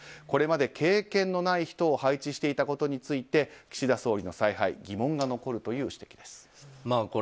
これまで経験のない人を配置していたことについて岸田総理の采配疑問が残るという指摘です。